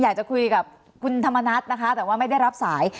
อยากจะคุยกับคุณธรรมนัฐนะคะแต่ว่าไม่ได้รับสาย